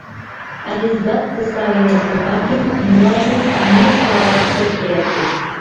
ئەرز-داد قىلسا يەنە شۇ ھاكىم، مۇلازىم، مىرزىلارغا چىقىرىپ بېرەتتى.